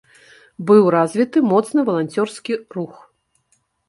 Быў развіты моцны валанцёрскі рух.